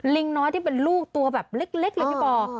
ลิงน้อยที่เป็นลูกตัวแบบเล็กเลยพี่ปอ